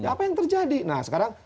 apa yang terjadi nah sekarang